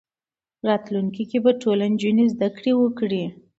راتلونکي کې به ټولې نجونې زدهکړې وکړي.